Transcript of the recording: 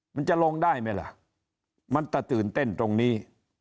มันจะลงได้ไหมล่ะมันจะตื่นเต้นตรงนี้